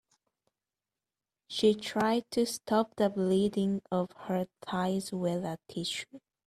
She tried to stop the bleeding of her thighs with a tissue.